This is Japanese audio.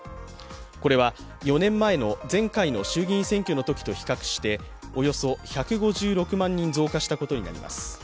これは、４年前の前回の衆院選挙のときと比較しておよそ１５６万人増加したことになります。